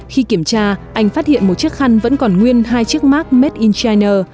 khi kiểm tra anh phát hiện một chiếc khăn vẫn còn nguyên hai chiếc mark made in china